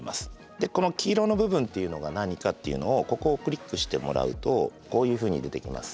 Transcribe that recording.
でこの黄色の部分っていうのが何かっていうのをここをクリックしてもらうとこういうふうに出てきます。